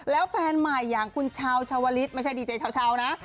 แล้วแฟนใหม่อย่างคุณชาวชาวลิศไม่ใช่ดีเจชาวนะ